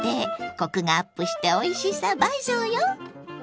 コクがアップしておいしさ倍増よ！